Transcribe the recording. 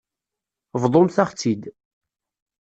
Bḍumt-aɣ-tt-id.